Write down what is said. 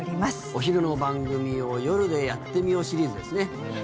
お昼の番組を夜でやってみようシリーズですね